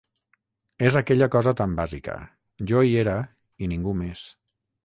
És aquella cosa tan bàsica: jo hi era, i ningú més.